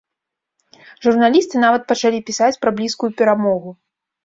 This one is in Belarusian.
Журналісты нават пачалі пісаць пра блізкую перамогу.